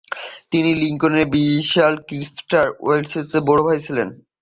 তিনি লিঙ্কনের bishop Christopher ওয়ার্ডসওয়ার্থের বড় ভাই ছিলেন।